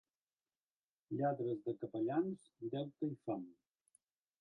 Lladres de capellans, deute i fam.